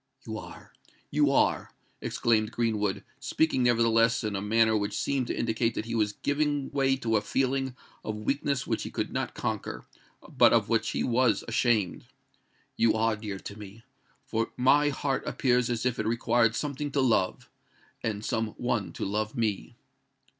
"You are—you are," exclaimed Greenwood, speaking nevertheless in a manner which seemed to indicate that he was giving way to a feeling of weakness which he could not conquer, but of which he was ashamed; "you are dear to me—for my heart appears as if it required something to love, and some one to love me."